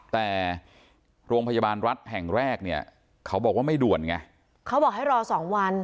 แต่โรงพยาบาลรัฐแห่งแรกเนี่ยเขาบอกว่าไม่ด่วนไงเขาบอกให้รอสองวัน